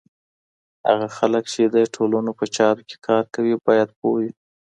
هغه خلګ چي د ټولنو په چارو کي کار کوي، باید پوه وي.